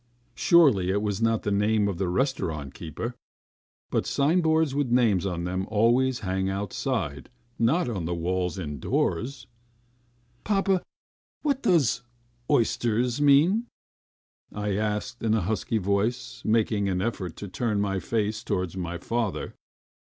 Surely it was not the name of the restaurant keeper? But signboards with names on them always hang outside, not on the walls indoors! "Papa, what does 'oysters' mean?" I asked in a husky voice, making an effort to turn my face towards my father.